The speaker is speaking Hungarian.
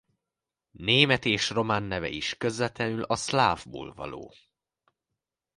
Német és román neve is közvetlenül a szlávból való.